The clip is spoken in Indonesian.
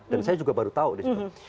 dan saya juga baru tahu disitu